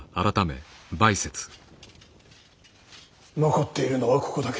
残っているのはここだけ。